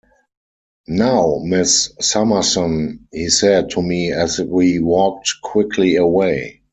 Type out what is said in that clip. "Now, Miss Summerson," he said to me as we walked quickly away.